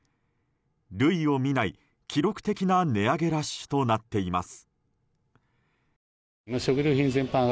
類を見ない、記録的な値上げラッシュとなっています。